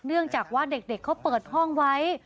เนื่องจากว่าเด็กเขาเปิดห้องไว้